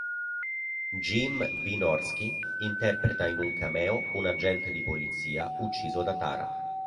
Jim Wynorski interpreta in un cameo un agente di polizia ucciso da Tara.